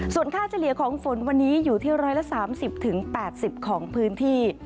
ส่วนค่าเฉลี่ยของฝนวันนี้อยู่ที่๑๓๐๘๐ของพื้นที่